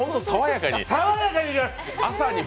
さわやかにいきます！